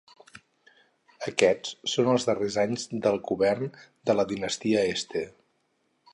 Aquests són els darrers anys del Govern de la Dinastia Este.